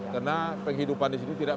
karena penghidupan di sini tidak berhasil